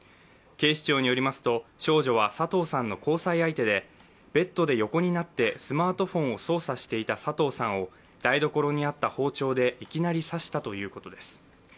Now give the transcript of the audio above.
警視庁によりますと少女は佐藤さんの交際相手で、ベッドで横になってスマートフォンを操作していた佐藤さんを台所にあった包丁でいきなり刺したということです。